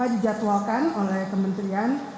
dijadwalkan oleh kementerian